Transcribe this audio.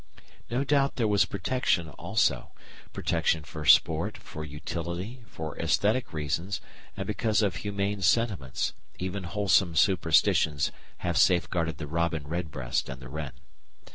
No doubt there was protection also protection for sport, for utility, for æsthetic reasons, and because of humane sentiments; even wholesome superstitions have safeguarded the robin redbreast and the wren.